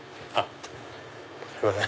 すいません。